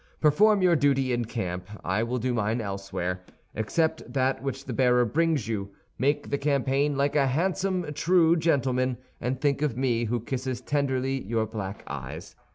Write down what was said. Perform your duty in camp; I will do mine elsewhere. Accept that which the bearer brings you; make the campaign like a handsome true gentleman, and think of me, who kisses tenderly your black eyes.